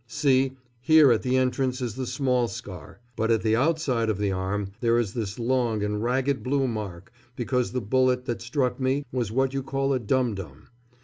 See, here at the entrance is the small scar; but at the outside of the arm there is this long and ragged blue mark, because the bullet that struck me was what you call a dum dum.